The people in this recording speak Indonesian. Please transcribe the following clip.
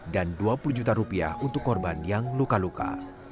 dan dua puluh juta rupiah untuk korban yang luka luka